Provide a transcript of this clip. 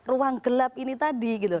ruang gelap ini tadi